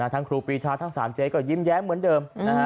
ครูปีชาทั้ง๓เจ๊ก็ยิ้มแย้มเหมือนเดิม